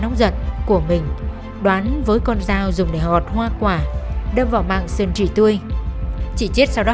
nóng giật của mình đoán với con dao dùng để họt hoa quả đâm vào mạng sơn trị tươi chị chết sau đó